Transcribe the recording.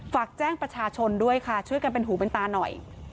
ฝากแจ้งประชาชนด้วยค่ะช่วยกันเป็นหูเป็นตาหน่อย